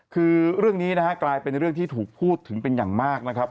คือเรื่องนี้นะฮะกลายเป็นเรื่องที่ถูกพูดถึงเป็นอย่างมากนะครับ